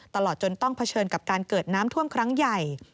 ตลอดจนต้องเผชิญกับการเกิดน้ำท่วมครั้งใหญ่